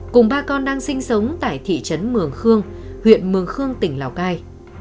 cùng ba con đang sinh sống tại thị trấn mường khương huyện mường khương tỉnh lào cai